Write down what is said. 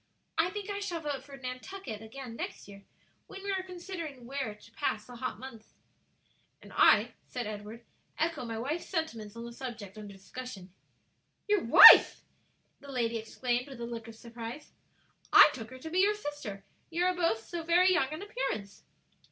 I think I shall vote for Nantucket again next year, when we are considering where to pass the hot months." "And I," said Edward, "echo my wife's sentiments on the subject under discussion." "Your wife" the lady exclaimed, with a look of surprise. "I took her to be your sister; you are both so very young in appearance."